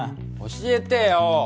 教えてよ